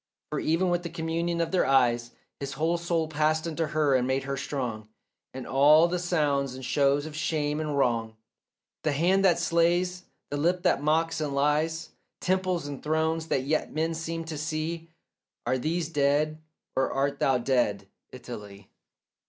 For even with that communion of their eyes His whole soul passed into her and made her strong; And all the sounds and shows of shame and wrong, The hand that slays, the lip that mocks and lies, Temples and thrones that yet men seem to see— Are these dead or art thou dead, Italy?